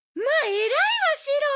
偉いわシロ！